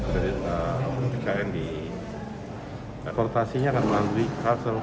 dari ruu ikn di transportasinya akan melalui kasel